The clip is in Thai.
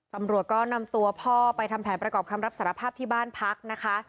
ตำรวจก็นำตัวพ่อไปทำแผนประกอบคำรับสารภาพที่บ้านพักนะคะ